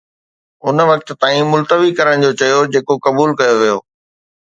ان وقت تائين ملتوي ڪرڻ جو چيو جيڪو قبول ڪيو ويو